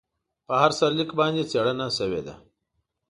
په هر سرلیک باندې څېړنه شوې ده.